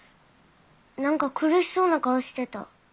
何か苦しそうな顔してた。